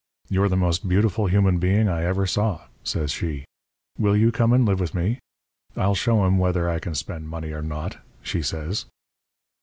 You're the most beautiful human being I ever saw,' says she. 'Will you come and live with me? I'll show 'em whether I can spend money or not,' she says.